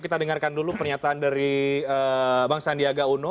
kita dengarkan dulu pernyataan dari bang sandiaga uno